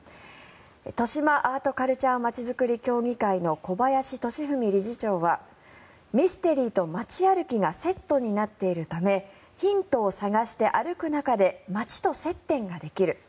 としまアートカルチャーまちづくり協議会の小林俊史理事長はミステリーと街歩きがセットになっているためヒントを探して歩く中で街と接点ができる。